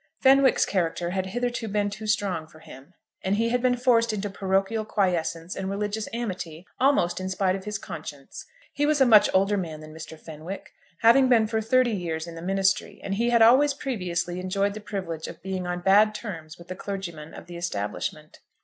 Fenwick's character had hitherto been too strong for him, and he had been forced into parochial quiescence and religious amity almost in spite of his conscience. He was a much older man than Mr. Fenwick, having been for thirty years in the ministry, and he had always previously enjoyed the privilege of being on bad terms with the clergyman of the Establishment.